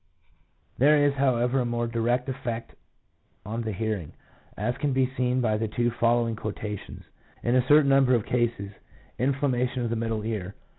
There is, however, a more direct effect on the hear ing, as can be seen by the two following quotations :—" In a certain number of cases (inflammation of the middle ear)